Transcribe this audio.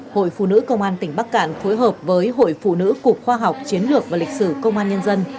hội phụ nữ công an tỉnh bắc cạn phối hợp với hội phụ nữ cục khoa học chiến lược và lịch sử công an nhân dân